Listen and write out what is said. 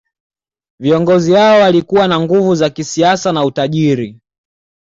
Viongozi hao walikuwa na nguvu za kisiasa na utajiri